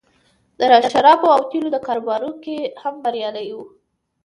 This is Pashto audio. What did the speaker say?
د شرابو او تیلو په کاروبار کې هم بریالی و